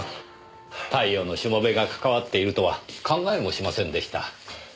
太陽のしもべが関わっているとは考えもしませんでした。